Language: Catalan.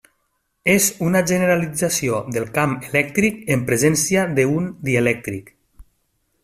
És una generalització del camp elèctric en presència d'un dielèctric.